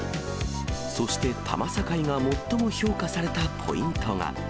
そして多摩境が最も評価されたポイントが。